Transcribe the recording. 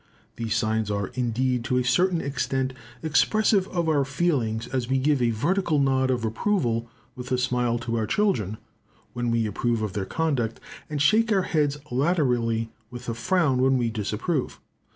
These signs are indeed to a certain extent expressive of our feelings, as we give a vertical nod of approval with a smile to our children, when we approve of their conduct; and shake our heads laterally with a frown, when we disapprove.